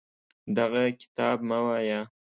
دغه کتاب مه وایه.